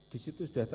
disitu sudah tercantum